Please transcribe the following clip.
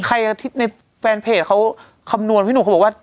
ในแฟนเพจเขาคำนวณพี่หนุ่มเขาบอกว่า